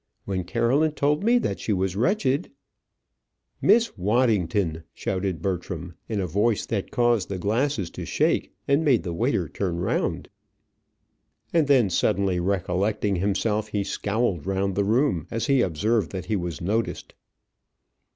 When Caroline told me that she was wretched " "Miss Waddington!" shouted Bertram, in a voice that caused the glasses to shake, and made the waiter turn round. And then suddenly recollecting himself, he scowled round the room as he observed that he was noticed.